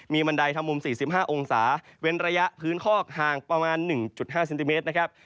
มีบันไดทำมุม๔๕องศาเว้นระยะพื้นคอกห่างประมาณ๑๕เซนติเมตรนะครับ